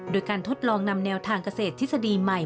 โดยการทดลองนำแนวทางเกษตรทฤษฎีใหม่